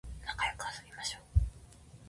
なかよく遊びましょう